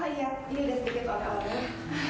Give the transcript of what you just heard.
ayah ini udah sedikit orang orang